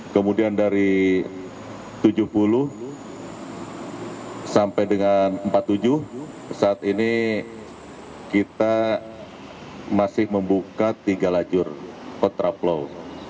kemudian dari tujuh puluh sampai dengan empat puluh tujuh saat ini kita masih membuka tiga lajur kontraplow